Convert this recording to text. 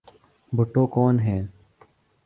بھٹو کون ہیں؟